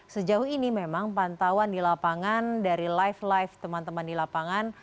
sejauh ini memang pantauan di lapangan dari live live teman teman di lapangan